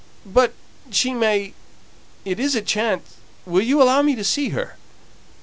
"But she may it is a chance. Will you allow me to see her?"